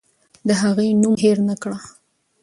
د هغې نوم هېر نکړه.